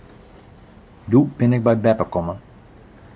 Doe bin ik by beppe kommen.